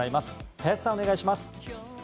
林さん、お願いします。